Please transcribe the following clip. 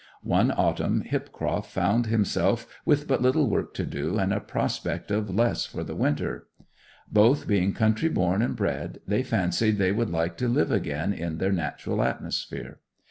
One autumn Hipcroft found himself with but little work to do, and a prospect of less for the winter. Both being country born and bred, they fancied they would like to live again in their natural atmosphere.